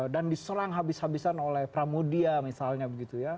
dan diserang habis habisan oleh pramudya misalnya begitu ya